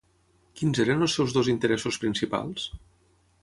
Quins eren els seus dos interessos principals?